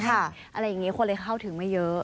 อะไรอย่างนี้คนเลยเข้าถึงไม่เยอะ